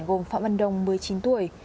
gồm phạm văn đồng một mươi chín tuổi